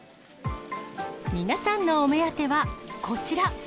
皆さんのお目当てはこちら。